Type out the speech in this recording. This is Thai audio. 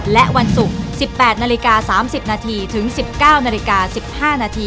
และวันศุกร์๑๘น๓๐นถึง๑๙น๑๕น